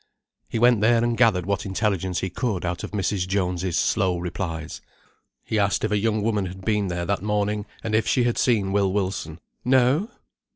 He went there, and gathered what intelligence he could out of Mrs. Jones's slow replies. He asked if a young woman had been there that morning, and if she had seen Will Wilson. "No!"